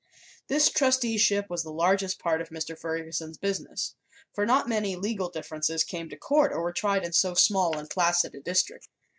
This trusteeship was the largest part of Mr. Ferguson's business, for not many legal differences came to court or were tried in so small and placid a district.